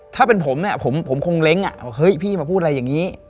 ถ้าเป็นผมเนี่ยผมคงเล้งว่าเฮ้ยพี่มาพูดอะไรอย่างนี้